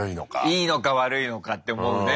いいのか悪いのかって思うね